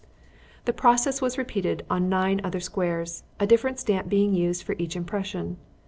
The process was repeated on nine other squares, a different stamp being used for each impression.